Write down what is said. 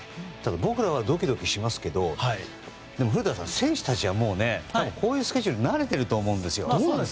僕らはドキドキしますけど古田さん選手たちはもうこういうスケジュールに慣れていると思うんですよ。